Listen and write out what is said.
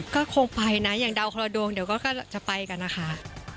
ก็คงไปนะอย่างเดาคนละดวงเดี๋ยวก็จะไปกันนะคะ